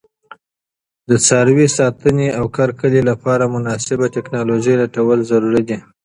د څاروي ساتنې او کرکیلې لپاره مناسبه تکنالوژي لټول ضروري دي.